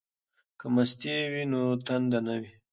که مستې وي نو تنده نه وي.